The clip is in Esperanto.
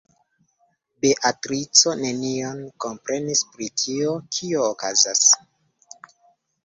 Beatrico nenion komprenis pri tio, kio okazas.